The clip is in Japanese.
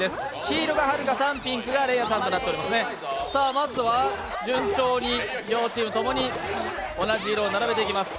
まずは順調に両チームともに同じ色を並べていきます。